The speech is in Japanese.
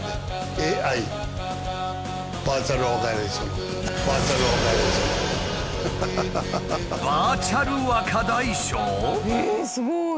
ええすごい！